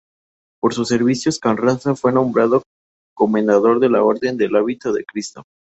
Por sus servicios, Carranza fue nombrado comendador de la Orden del hábito de Cristo.